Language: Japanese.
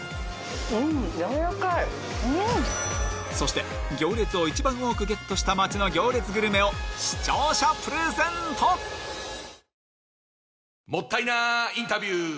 うんやわらかいそして行列を一番多くゲットした街の行列グルメを視聴者プレゼントもったいなインタビュー！